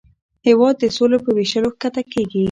هېواد د سولې په ویشلو ښکته کېږي.